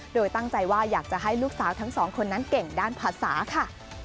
โดยตั้งใจว่าอยากจะให้ลูกสาวทั้งสองคนนั้นเก่งด้านภาษาค่ะ